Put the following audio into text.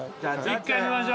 一回見ましょう。